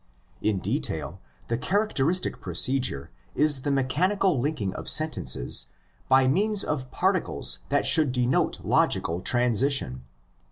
In detail, the characteristic procedure is the mechanical linking of sentences by means of particles that should denote logical transition.